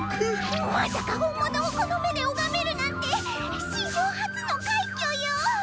まさか本物をこの目で拝めるなんて史上初の快挙よ！